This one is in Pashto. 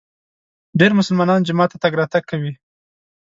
ډېر مسلمانان جومات ته تګ راتګ کوي.